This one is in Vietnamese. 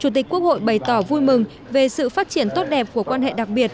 chủ tịch quốc hội bày tỏ vui mừng về sự phát triển tốt đẹp của quan hệ đặc biệt